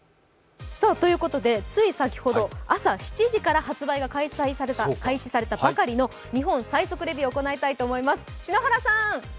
つい先ほど朝７時から発売が開始されたばかりの日本最速レビューを行いたいと思います。